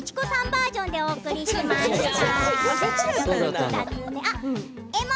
バージョンでお送りしました。